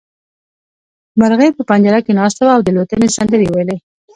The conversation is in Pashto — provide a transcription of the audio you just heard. مرغۍ په پنجره کې ناسته وه او د الوتنې سندرې يې ويلې.